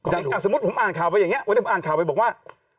อย่างจากสมมติผมอ่านข่าวกันแบบอย่างนี้